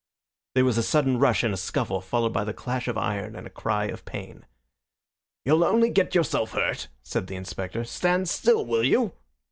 There was a sudden rush and a scuffle, followed by the clash of iron and a cry of pain. "You'll only get yourself hurt," said the inspector. "Stand still, will you?"